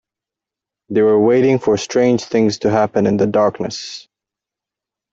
They were waiting for strange things to happen in the darkness.